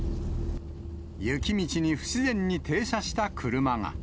雪道に不自然に停車した車が。